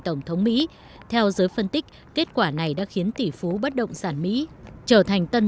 tổng thống mỹ theo giới phân tích kết quả này đã khiến tỷ phú bất động sản mỹ trở thành tân